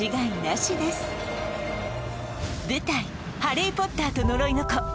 「ハリー・ポッターと呪いの子」